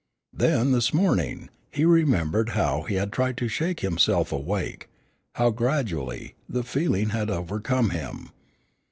Then, this morning, he remembered how he had tried to shake himself awake, how gradually, the feeling had overcome him.